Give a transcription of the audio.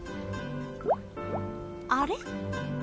あれっ？